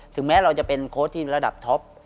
แม้เราจะเป็นโค้ชที่ระดับท็อป